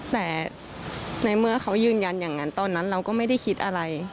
แต่ในเมื่อเขายืนยันอย่างนั้นตอนนั้นเราก็ไม่ได้คิดอะไร